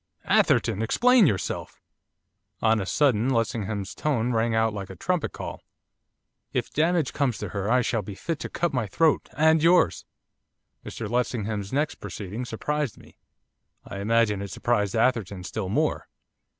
'Atherton! Explain yourself!' On a sudden Lessingham's tones rang out like a trumpet call. 'If damage comes to her I shall be fit to cut my throat, and yours!' Mr Lessingham's next proceeding surprised me, I imagine it surprised Atherton still more.